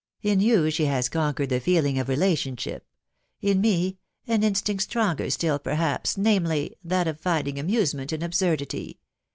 In yon ahe has conquered the feeling of relationship ; in me, an instinct stronger still perhaps, namely, that of finding amusement in Mb8urdity.